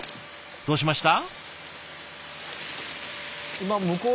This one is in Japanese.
どうしました？